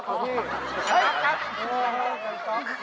ต้องเรียกหมวกกันน๊อคอ่ะพี่